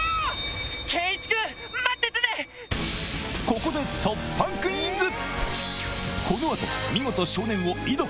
ここで突破クイズ！